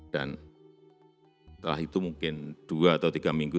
dan setelah itu mungkin dua atau tiga minggu